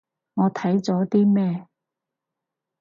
我睇咗啲咩